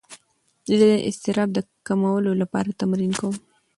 زه د اضطراب د کمولو لپاره تمرین کوم.